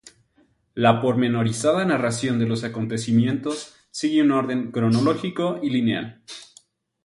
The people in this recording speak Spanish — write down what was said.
La pormenorizada narración de los acontecimientos sigue un orden cronológico y lineal.